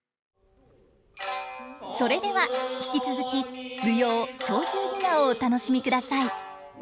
それでは引き続き舞踊「鳥獣戯画」をお楽しみください。